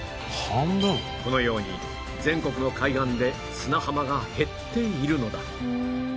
このように全国の海岸で砂浜が減っているのだ